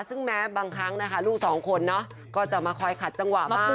ซึ่งแม้บางครั้งนะคะลูกสองคนเนาะก็จะมาคอยขัดจังหวะบ้าง